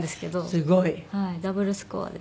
すごい。ダブルスコアで。